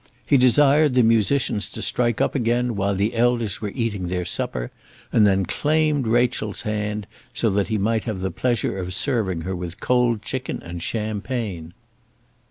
He desired the musicians to strike up again while the elders were eating their supper, and then claimed Rachel's hand, so that he might have the pleasure of serving her with cold chicken and champagne.